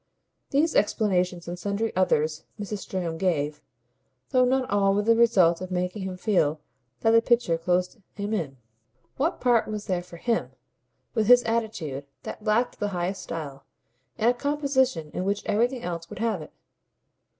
These explanations and sundry others Mrs. Stringham gave, though not all with the result of making him feel that the picture closed him in. What part was there for HIM, with his attitude that lacked the highest style, in a composition in which everything else would have it?